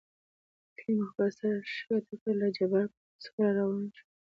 کريم خپل سر ښکته کړ له جبار کاکا څخه راوان شو.